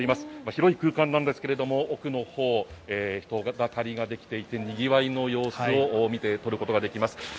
広い空間なんですが奥のほう、人だかりができていてにぎわいの様子を見て取ることができます。